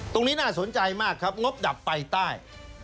ตรงนี้น่าสนใจมากครับงบดับไฟใต้